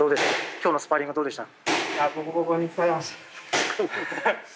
今日のスパーリングはどうでした？